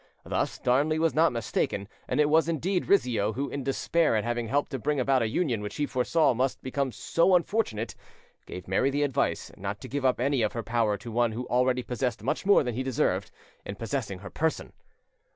Thus Darnley was not mistaken, and it was indeed Rizzio who, in despair at having helped to bring about a union which he foresaw must become so unfortunate, gave Mary the advice not to give up any of her power to one who already possessed much more than he deserved, in possessing her person.